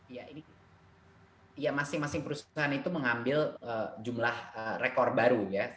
ya ini ya masing masing perusahaan itu mengambil jumlah rekor baru ya